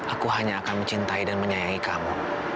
aku hanya akan mencintai dan menyayangi kamu